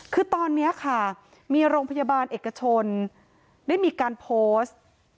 คือตอนนี้ค่ะมีโรงพยาบาลเอกชนได้มีการโพสต์